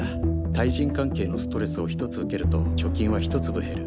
対人関係のストレスを１つ受けると貯金は１粒減る。